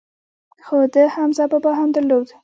خو ده حمزه بابا هم درلود.